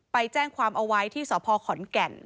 ไปแจ้งความเอาไว้ที่สพขอนแก่น